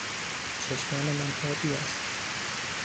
چشمان من آبی است.